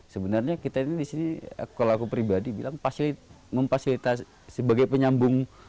sebenarnya kita ini disini kalau aku pribadi bilang memfasilitasi sebagai penyambung